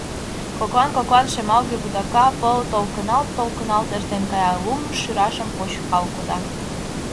Коклан-коклан шемалге вудака пыл толкыналт-толкыналт эртен кая: лум шӱрашым почкал кода.